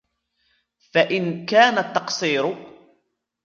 فَإِنْ كَانَ التَّقْصِيرُ